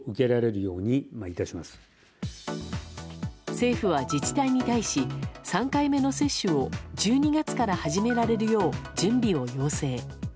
政府は自治体に対し３回目の接種を１２月から始められるよう準備を要請。